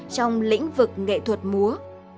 trong lĩnh vực nghệ thuật múa